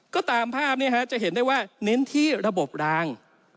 ก็ตามภาพจะเห็นได้ว่าเน้นที่ระบบราง